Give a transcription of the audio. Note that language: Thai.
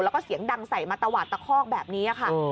แล้วก็เสียงดังใส่มาตวาดตะคอกแบบนี้ค่ะ